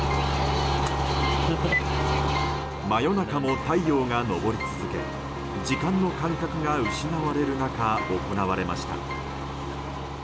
真夜中も太陽が昇り続け時間の感覚が失われる中行われました。